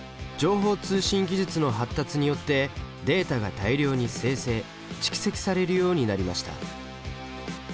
情報通信技術の発達によってデータが大量に生成・蓄積されるようになりました。